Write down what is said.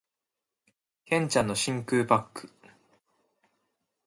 剣ちゃんの真空パック